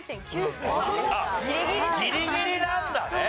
ギリギリなんだね。